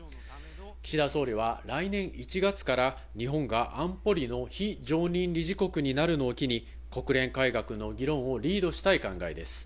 岸田総理は来年１月から日本が安保理の非常任理事国になるのを機に、国連改革の議論をリードしたい考えです。